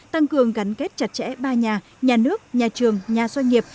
tăng cường gắn kết chặt chẽ ba nhà nhà nước nhà trường nhà doanh nghiệp